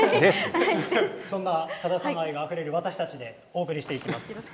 そんなさださん愛があふれる私たちでお送りしていきます。